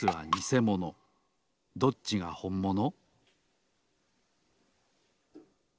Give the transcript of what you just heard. どっちがほんもの？